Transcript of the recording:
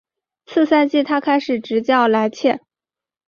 次赛季他开始执教莱切。